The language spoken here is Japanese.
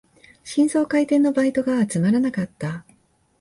新装開店のバイトが集まらなかった